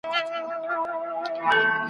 تر ابده پر تا نوم د ښکار حرام دی `